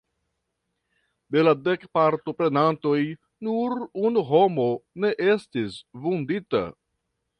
De la dek partoprenantoj, nur unu homo ne estis vundita.